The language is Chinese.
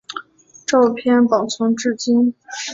照片保存至今。